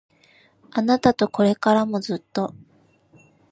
あなたとこれからもずっと